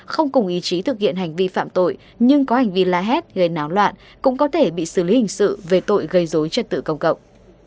không cùng ý chí thực hiện hành vi phạm tội nhưng có hành vi la hét gây náo loạn cũng có thể bị xử lý hình sự về tội gây dối trật tự công cộng